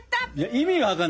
意味分かんない。